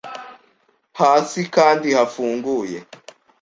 Hasi kandi hafunguye